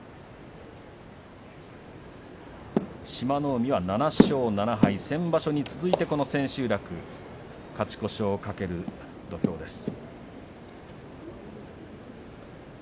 海は７勝７敗先場所に続いてこの千秋楽勝ち越しを懸ける土俵です。